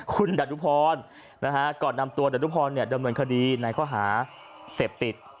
คุณดรุพรก่อนนำตัวดานุพรดำเนินคดีในข้อหาเสพติด